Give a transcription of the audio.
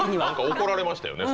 何か怒られましたよね